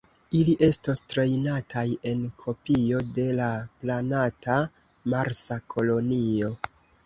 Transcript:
Ili estos trejnataj en kopio de la planata Marsa kolonio.